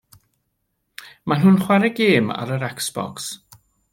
Mae nhw'n chwarae gêm ar yr Xbox.